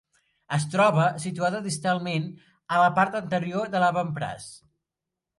Es troba situada distalment a la part anterior de l'avantbraç.